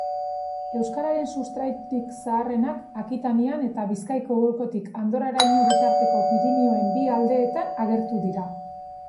Euskararen sustrairik zaharrenak, Akitanian eta Bizkaiko golkotik Andorraraino bitarteko Pirinioen bi aldeetan agertu dira